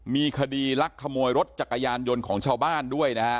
มีคดีลักขโมยรถจักรยานยนต์ของชาวบ้านด้วยนะฮะ